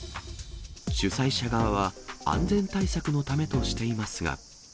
主催者側は安全対策のためとしていますが。